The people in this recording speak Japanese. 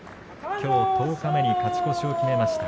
きょう十日目に勝ち越しを決めました。